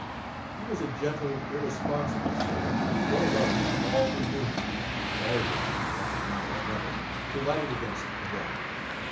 He was a gentle, irresponsible soul, well loved by all who knew him, and always, by one or another, provided against want.